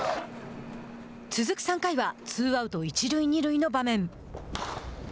続く３回はツーアウト、一塁二塁の場面。